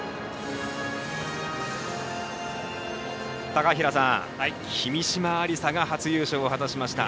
高平さん、君嶋愛梨沙が初優勝を果たしました。